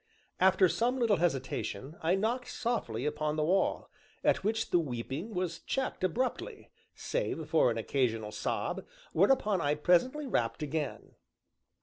After some little hesitation, I knocked softly upon the wall, at which the weeping was checked abruptly, save for an occasional sob, whereupon I presently rapped again.